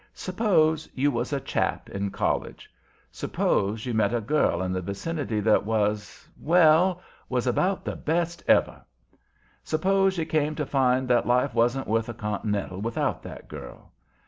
Suppose you was a chap in college. Suppose you met a girl in the vicinity that was well, was about the best ever. Suppose you came to find that life wasn't worth a continental without that girl.